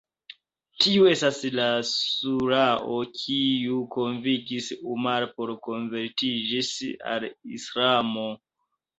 Tiu estas la Surao kiu konvinkis Umar por konvertiĝis al Islamo.